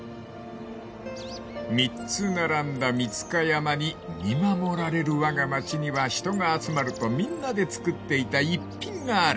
［３つ並んだみつか山に見守られるわが町には人が集まるとみんなで作っていた逸品がある］